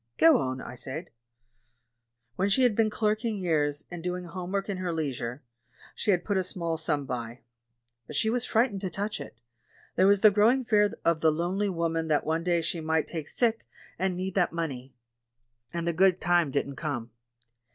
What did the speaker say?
" "Go on," I said. "When she had been clerking years, and doing home work in her leisure, she had put a small sum by. But she was frightened to touch it — there was the growing fear of the lonely woman that one day she might take sick and need that money. And the 'good time' didn't come.